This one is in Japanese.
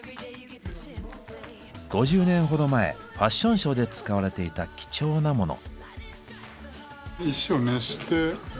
５０年ほど前ファッションショーで使われていた貴重なモノ。